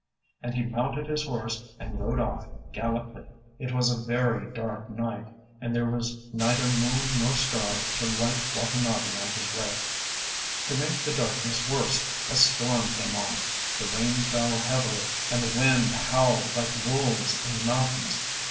ŌĆØ and he mounted his horse and rode off gallantly. It was a very dark night, and there was neither moon nor star to light Watanabe on his way. To make the darkness worse a storm came on, the rain fell heavily and the wind howled like wolves in the mountains.